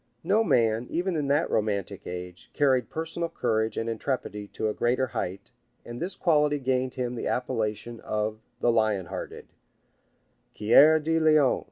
No man, even in that romantic age, carried personal courage and intrepidity to a greater height, and this quality gained him the appellation of the Lion hearted, "Coeur de Lion."